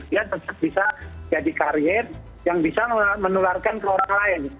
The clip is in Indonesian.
dia tetap bisa jadi karir yang bisa menularkan ke orang lain